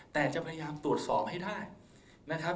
แต่จะพยายามตรวจสอบให้ได้นะครับ